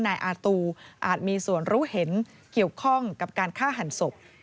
นายอาตูอาจมีส่วนรู้เห็นเกี่ยวข้องกับการฆ่าหันศพ